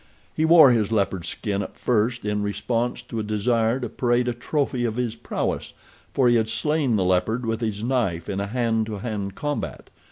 He wore his leopard skin at first in response to a desire to parade a trophy of his prowess, for he had slain the leopard with his knife in a hand to hand combat.